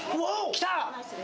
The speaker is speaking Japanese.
来た！